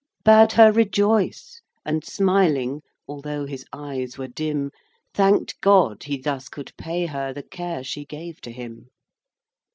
VI. Bade her rejoice, and smiling, Although his eyes were dim, Thank'd God he thus could pay her The care she gave to him.